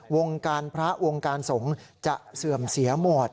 วงการพระวงการสงฆ์จะเสื่อมเสียหมด